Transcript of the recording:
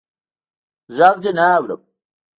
ږغ دي نه اورم.